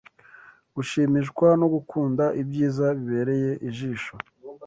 gushimishwa no gukunda ibyiza bibereye ijisho